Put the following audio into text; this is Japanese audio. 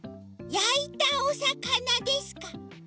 やいたおさかなですか？